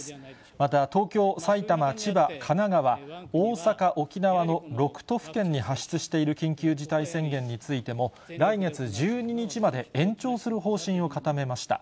また、東京、埼玉、千葉、神奈川、大阪、沖縄の６都府県に発出している緊急事態宣言についても、来月１２日まで延長する方針を固めました。